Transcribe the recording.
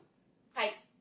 はい。